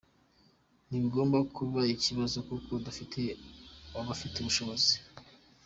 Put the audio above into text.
Ntibigomba kuba ikibazo kuko dufite abafite ubushobozi.